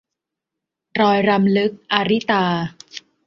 รอยรำลึก - อาริตา